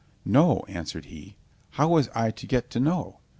"No," answered he, "how was I to get to know?